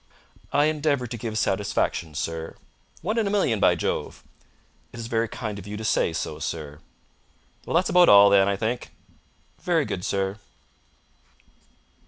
"I endeavour to give satisfaction, sir." "One in a million, by Jove!" "It is very kind of you to say so, sir." "Well, that's about all, then, I think." "Very good, sir."